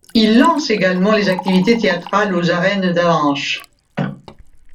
Il lance également les activités théâtrales aux arènes d'Avenches.